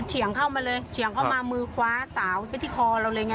เฉียงเข้ามาเลยเฉียงเข้ามามือคว้าสาวไปที่คอเราเลยไง